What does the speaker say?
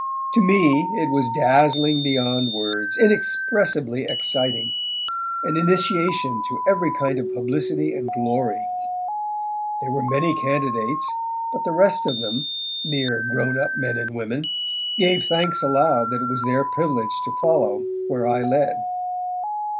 To me it was dazzling beyond words, inexpressibly exciting, an initiation to every kind of publicity and glory. There were many candidates, but the rest of them, mere grownup men and women, gave thanks aloud that it was their privilege to follow where I led.